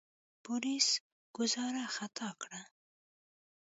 بوریس ګوزاره خطا کړه.